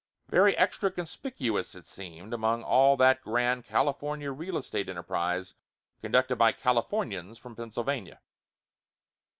Very extra conspicuous it seemed, among all that grand California real estate enterprise, conducted by Californians from Pennsylvania.